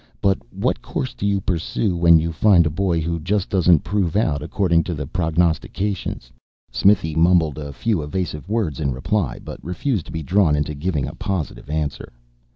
But what course do you pursue when you find a boy who just doesn't prove out according to the prognostications?" Smithy mumbled a few evasive words in reply, but refused to be drawn into giving a positive answer.